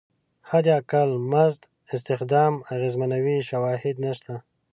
حداقل مزد استخدام اغېزمنوي شواهد نشته.